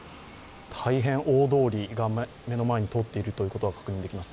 大変大通りが目の前に通っているのが確認できます。